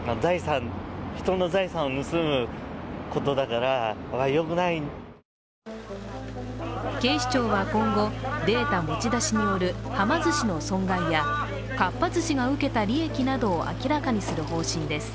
かっぱ寿司の利用客からは警視庁は今後、データ持ち出しによるはま寿司の損害やかっぱ寿司が受けた利益などを明らかにする方針です。